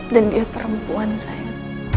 dan dia perempuan sayang